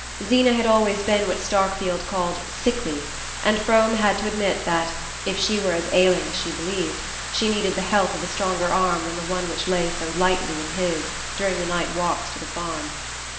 Zeena had always been what Starkfield called "sickly," and Frome had to admit that, if she were as ailing as she believed, she needed the help of a stronger arm than the one which lay so lightly in his during the night walks to the farm.